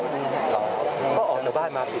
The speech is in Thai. เดี๋ยวรอไปตรงไหน